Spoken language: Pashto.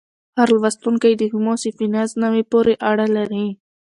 هر لوستونکی د هومو سیپینز نوعې پورې اړه لري.